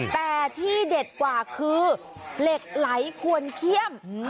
แต่ที่เด็ดกว่าคือเหล็กไหลควรเขี้ยม